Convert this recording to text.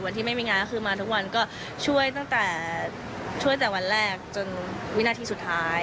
วันที่ไม่มีงานก็คือมาทุกวันก็ช่วยตั้งแต่วันแรกจนวินาทีสุดท้าย